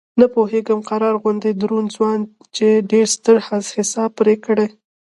نه پوهېږم قرار غوندې دروند ځوان چې ډېر ستر حساب پرې کړی.